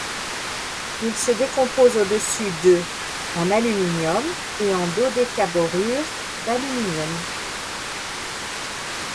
Il se décompose au-dessus de en aluminium et en dodécaborure d'aluminium.